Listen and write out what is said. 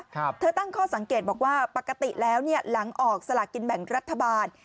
เธอตั้งข้อสังเกตบอกว่าปกติแล้วเนี่ยหลังออกสลากินแบ่งรัฐบาล